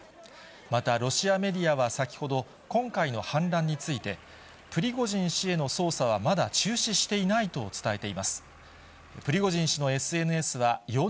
またロシアメディアは先ほど、今回の反乱について、プリゴジン氏への捜査はまだ中止していないと伝えています。